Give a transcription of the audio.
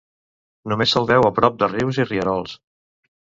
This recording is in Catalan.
Només se'l veu a prop de rius i rierols.